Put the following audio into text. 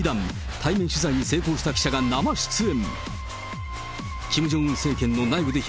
対面取材に成功した記者が生出演。